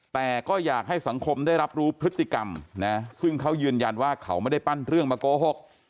แต่ก็อยากให้สังคมได้รับรู้พฤติกรรมนะซึ่งเขายืนยันว่าเขาไม่ได้ปั้นเรื่องมาโกหก